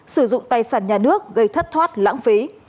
sử dụng tài sản nhà nước gây thất thoát lãng phí